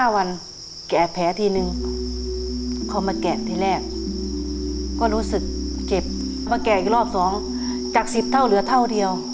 แกะแผลทีนึงเขามาแกะทีแรกก็รู้สึกเจ็บแล้วมาแกะอีกรอบ๒จาก๑๐เท่าเหลือเท่าเดียว